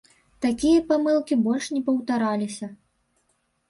Такія памылкі больш не паўтараліся.